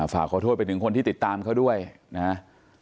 ฝากขอโทษไปถึงคนที่ติดตามเขาด้วยนะฮะ